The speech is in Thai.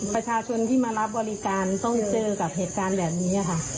ประชาชนที่มารับบริการต้องเจอกับเหตุการณ์แบบนี้ค่ะ